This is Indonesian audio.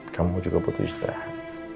kamu juga butuh istirahat